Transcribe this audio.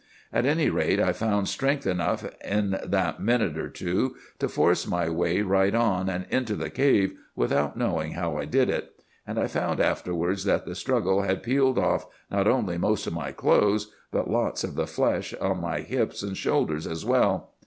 At any rate, I found strength enough, in that minute or two, to force my way right on, and into the cave, without knowing how I did it. And I found afterwards that the struggle had peeled off, not only most of my clothes, but lots of the flesh on my hips and shoulders as well.